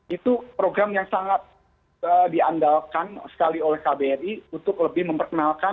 itu program yang sangat diandalkan sekali oleh kbri untuk lebih memperkenalkan